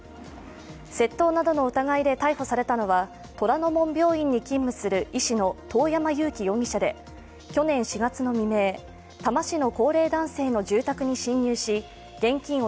窃盗などの疑いで逮捕されたのは虎の門病院に勤務する医師の遠山友希容疑者で去年４月の未明、多摩市の高齢男性の住宅に侵入し現金